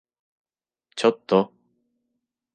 ちょっと？